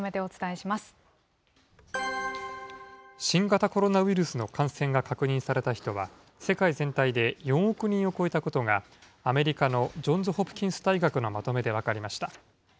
新型コロナウイルスの感染が確認された人は、世界全体で４億人を超えたことが、アメリカのジョンズ・ホプキンス大学のまとめで分かりました。